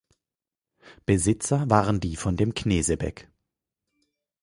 Besitzer waren die von dem Knesebeck.